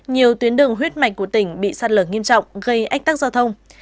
nhiều tuyến đường huyết mạch của tỉnh bị sạt lở nghiêm trọng gây ách tắc giao thông